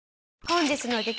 本日の激